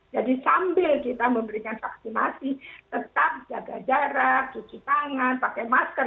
jadi sambil kita memberikan vaksinasi tetap jaga jarak cuci tangan pakai masker